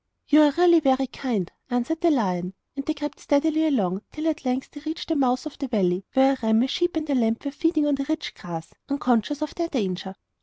'You are really very kind,' answered the lion. And they crept steadily along till at length they reached the mouth of the valley where a ram, a sheep and a lamb were feeding on the rich grass, unconscious of their danger.